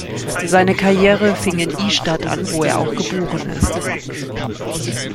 Seine Karriere fing in Ystad an, wo er auch geboren ist.